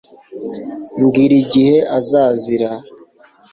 Mbwira igihe azazira